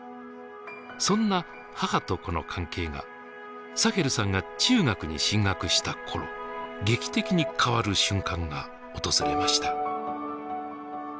そんな母と子の関係がサヘルさんが中学に進学した頃劇的に変わる瞬間が訪れました。